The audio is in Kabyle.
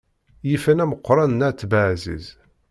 Yifen ameqqran n at Baɛziz.